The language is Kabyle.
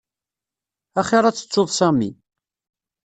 Axir ad tettuḍ Sami.